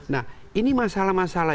nah ini masalah masalah